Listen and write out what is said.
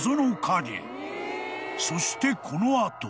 ［そしてこの後］